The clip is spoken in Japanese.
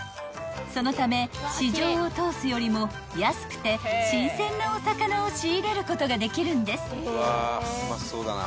［そのため市場を通すよりも安くて新鮮なお魚を仕入れることができるんです］